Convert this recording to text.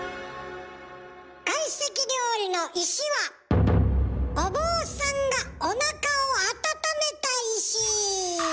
懐石料理の「石」はお坊さんがおなかを温めた石。